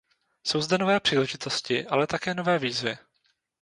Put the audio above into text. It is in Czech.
Jsou zde nové příležitosti, ale také nové výzvy.